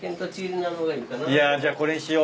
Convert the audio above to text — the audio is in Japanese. いやじゃあこれにしよ。